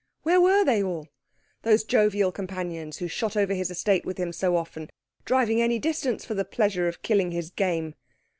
Where were they all, those jovial companions who shot over his estate with him so often, driving any distance for the pleasure of killing his game?